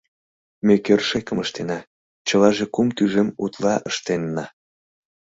Ме кӧршӧкым ыштена, чылаже кум тӱжем утла ыштенна.